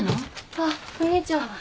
あっお姉ちゃん。